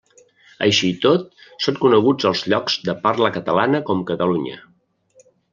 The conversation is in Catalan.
Així i tot són coneguts als llocs de parla catalana com Catalunya.